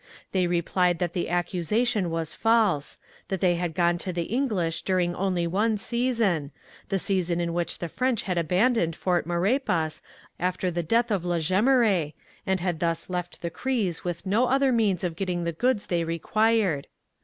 They replied that the accusation was false; that they had gone to the English during only one season, the season in which the French had abandoned Fort Maurepas after the death of La Jemeraye, and had thus left the Crees with no other means of getting the goods they required.